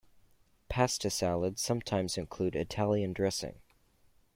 Pasta salads sometimes include Italian dressing.